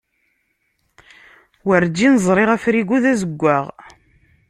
Werǧin ẓriɣ afrigu d azeggaɣ.